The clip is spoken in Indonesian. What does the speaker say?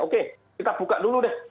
oke kita buka dulu deh